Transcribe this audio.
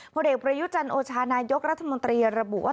ผลเอกประยุจันโอชานายกรัฐมนตรีระบุว่า